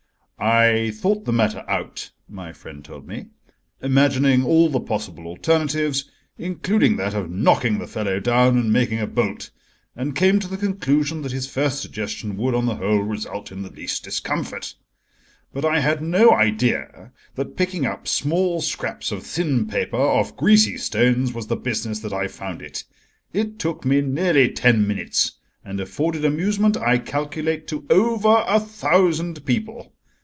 "I thought the matter out," my friend told me, "imagining all the possible alternatives, including that of knocking the fellow down and making a bolt, and came to the conclusion that his first suggestion would, on the whole, result in the least discomfort. But I had no idea that picking up small scraps of thin paper off greasy stones was the business that I found it! It took me nearly ten minutes, and afforded amusement, I calculate, to over a thousand people.